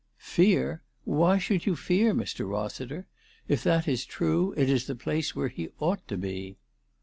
" Fear ; why should you fear, Mr. Rossiter ? If that is true, it is the place where he ought to be."